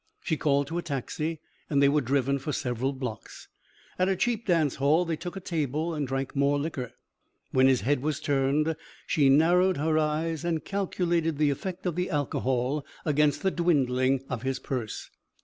She called to a taxi and they were driven for several blocks. At a cheap dance hall they took a table and drank more liquor. When his head was turned, she narrowed her eyes and calculated the effect of the alcohol against the dwindling of his purse.